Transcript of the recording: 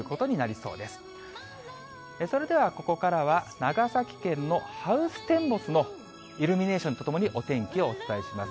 それではここからは、長崎県のハウステンボスのイルミネーションとともにお天気をお伝えします。